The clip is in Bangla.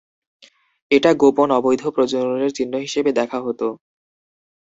এটা গোপন অবৈধ প্রজননের চিহ্ন হিসেবে দেখা হতো।